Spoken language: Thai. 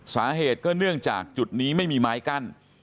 สาเหตุก็เนื่องจากจุดนี้ไม่มีไม้กั้น